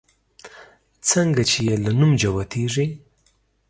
څنگه چې يې له نوم جوتېږي